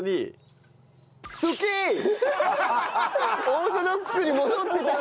オーソドックスだった。